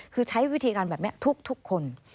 คือใช้วิธีการแบบนี้ทุกคน